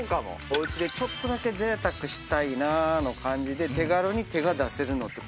おうちでちょっとだけぜいたくしたいなの感じで手軽に手が出せるのって